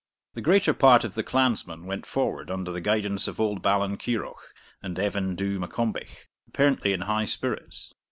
The greater part of the clansmen went forward under the guidance of old Ballenkeiroch and Evan Dhu Maccombich, apparently in high spirits.